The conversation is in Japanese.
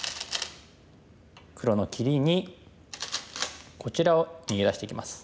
黒の切りにこちらを逃げ出していきます。